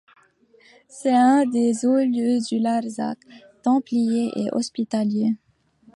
C'est un des hauts-lieux du Larzac templier et hospitalier.